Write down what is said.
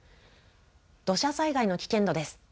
土砂災害の危険度です。